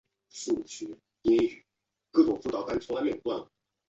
台湾菱瘤蝽为猎蝽科菱瘤蝽属下的一个种。